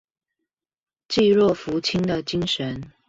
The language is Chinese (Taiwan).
濟弱扶傾的精神